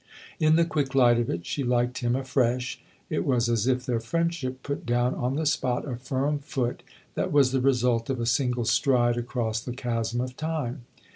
In the quick light of it she liked him afresh ; it was as if their friendship put down on the spot THE OTHER HOUSE 117 a firm foot that was the result of a single stride across the chasm of time.